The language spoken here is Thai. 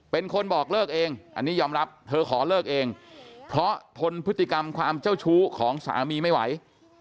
เป็นคนบอกเลิกเองอันนี้ยอมรับเธอขอเลิกเองเพราะทนพฤติกรรมความเจ้าชู้ของสามีไม่ไหว